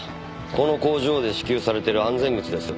この工場で支給されてる安全靴です。